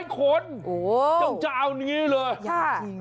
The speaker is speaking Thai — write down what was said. ๓๐๐คนจังจาวนี้เลยใช่